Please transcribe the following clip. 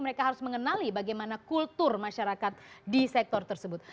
mereka harus mengenali bagaimana kultur masyarakat di sektor tersebut